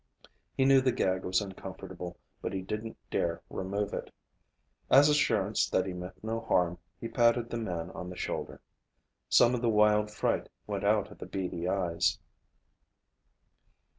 He knew the gag was uncomfortable, but he didn't dare remove it. As assurance that he meant no harm, he patted the man on the shoulder. Some of the wild fright went out of the beady eyes.